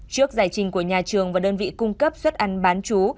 trước giải trình của nhà trường và đơn vị cung cấp suất ăn bán chú